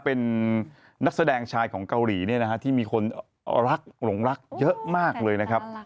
เป็นนักแสดงชายของเกาหลีมีคนหลงรักเยอะมากเลยนะครับ